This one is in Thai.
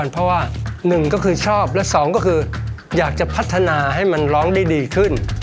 เพราะว่า๑ชอบ๒อยากพัฒนาให้ร้องดีขึ้น